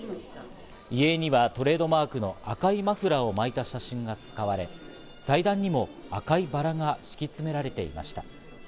遺影にはトレードマークの赤いマフラーを巻いた写真が使われ、祭壇にも赤いバラが敷き詰められていました。